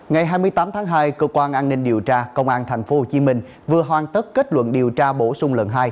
ngày hai mươi tám tháng hai cơ quan an ninh điều tra công an tp hcm vừa hoàn tất kết luận điều tra bổ sung lần hai